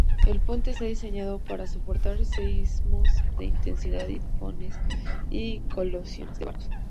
El puente está diseñado para soportar seísmos de intensidad, tifones y colisiones de barcos.